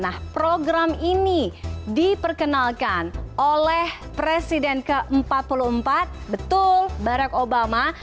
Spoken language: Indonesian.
nah program ini diperkenalkan oleh presiden ke empat puluh empat betul barack obama